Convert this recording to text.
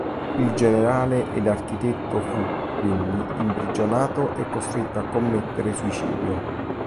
Il generale ed architetto fu, quindi, imprigionato, e costretto a commettere suicidio.